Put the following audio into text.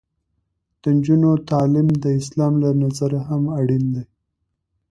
د نجونو تعلیم د اسلام له نظره هم اړین دی.